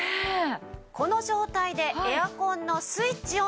この状態でエアコンのスイッチオン。